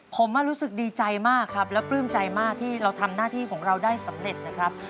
ผมรู้สึกดีใจมากครับแล้วปลื้มใจมากที่เราทำหน้าที่ของเราได้สำเร็จนะครับ